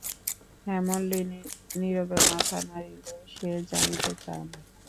হেমনলিনী নীরবে মাথা নাড়িল–সে জানিতে চায় না।